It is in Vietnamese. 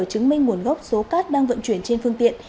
chứng minh nguồn gốc số cát đang vận chuyển trên phương tiện